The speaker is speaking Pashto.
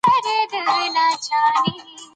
دا د افغانانو لپاره افتخار دی.